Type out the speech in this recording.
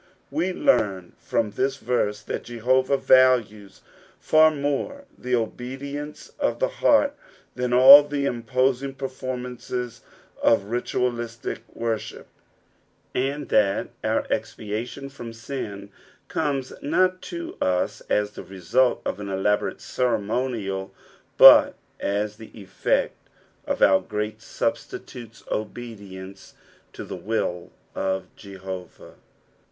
We tearn from this verae that Jehovah values far more the obedience of the heart than all the imposing performances of ritualistic worship ; and that our expiation from dn comes not to us as the result of an elaborate ceremonial, but as the effect of our great Substitute's obedience to the will of Jehovah.